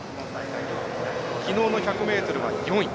きのうの１００ｍは４位。